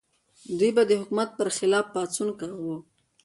دوی به د حکومت پر خلاف پاڅون کاوه.